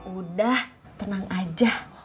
udah tenang aja